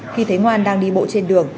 khi thấy ngoan đang đi bộ chơi